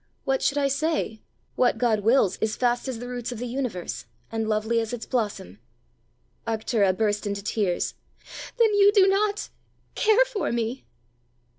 "What should I say? What God wills is fast as the roots of the universe, and lovely as its blossom." Arctura burst into tears. "Then you do not care for me!"